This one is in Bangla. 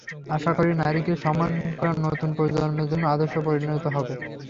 আশা করি, নারীকে সম্মান করা নতুন প্রজন্মের জন্য আদর্শে পরিণত হবে।